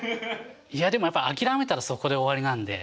いやでもやっぱ諦めたらそこで終わりなんで。